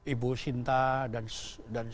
ibu sinta dan